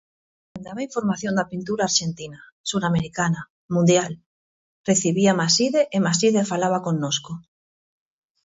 Mandaba información da pintura arxentina, suramericana, mundial, recibíaa Maside e Maside falaba connosco.